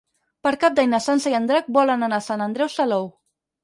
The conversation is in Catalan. Per Cap d'Any na Sança i en Drac volen anar a Sant Andreu Salou.